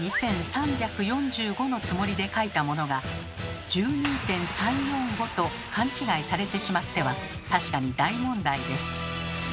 「１万２３４５」のつもりで書いたものが「１２点３４５」と勘違いされてしまっては確かに大問題です。